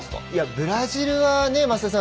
ブラジルは増田さん